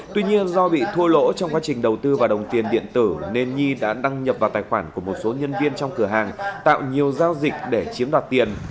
tuy nhiên do bị thua lỗ trong quá trình đầu tư vào đồng tiền điện tử nên nhi đã đăng nhập vào tài khoản của một số nhân viên trong cửa hàng tạo nhiều giao dịch để chiếm đoạt tiền